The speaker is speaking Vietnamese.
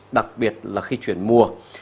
đặc biệt là khi chuyển mùa